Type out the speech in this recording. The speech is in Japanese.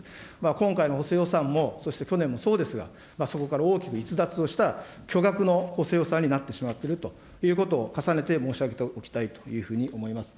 今回の補正予算も、そして去年もそうですが、そこから大きく逸脱をした巨額の補正予算になってしまっているということを、重ねて申し上げておきたいというふうに思います。